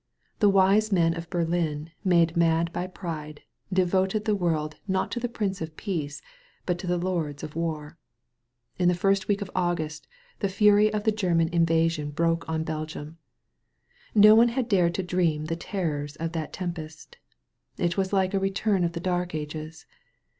The wise men of Berlin made mad by pride, devoted the world not to the Prince of Peace but to the lords of war. In the first week of August the fury of the German in vasion broke on Belgium. No one had dared to dream the terrors of that tempest. It was like a return of the Dark Ages.